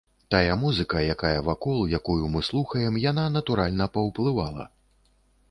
Тая музыка, якая вакол, якую мы слухаем, яна, натуральна, паўплывала.